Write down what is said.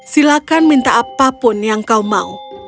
silakan minta apapun yang kau mau